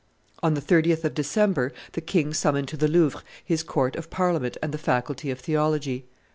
On the 30th of December, the king summoned to the Louvre his court of Parliament and the faculty of theology.